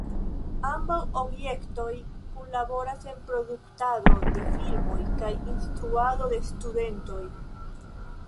Ambaŭ objektoj kunlaboras en produktado de filmoj kaj instruado de studentoj.